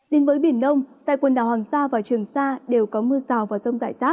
đến với biển đông tại quần đảo hoàng sa và trường sa đều có mưa rào và rông rải rác